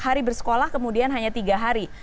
hari bersekolah kemudian hanya tiga hari